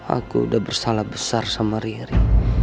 aku udah bersalah besar sama rier